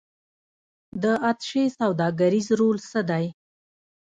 د اتشې سوداګریز رول څه دی؟